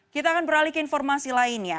kita akan beralih ke informasi lainnya